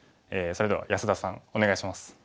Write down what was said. それでは安田さんお願いします。